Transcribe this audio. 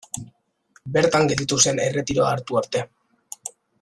Bertan gelditu zen erretiroa hartu arte.